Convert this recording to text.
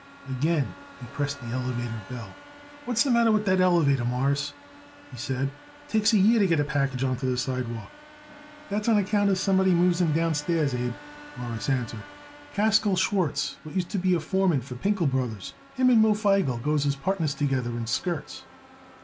Again he pressed the elevator bell. "What's the matter with that elevator, Mawruss?" he said. "It takes a year to get a package on to the sidewalk." "That's on account of somebody moves in downstairs, Abe," Morris answered. "Kaskel Schwartz, what used to be foreman for Pinkel Brothers, him and Moe Feigel goes as partners together in skirts."